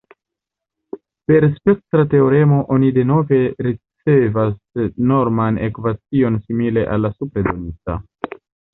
Per spektra teoremo oni denove ricevas norman ekvacion simile al la supre donita.